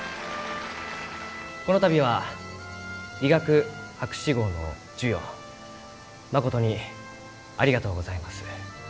この度は理学博士号の授与まことにありがとうございます。